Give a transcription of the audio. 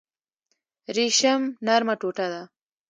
ریشم نرمه ټوټه ده